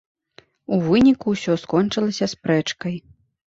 У выніку ўсё скончылася спрэчкай.